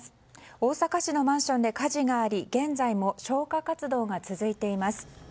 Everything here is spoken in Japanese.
大阪市のマンションで火事があり現在も消火活動が続いています。